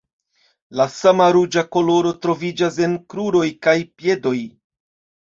La sama ruĝa koloro troviĝas en kruroj kaj piedoj.